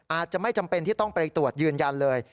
อาจจะไม่จำเป็นที่ต้องไปตรวจยืนยันเลย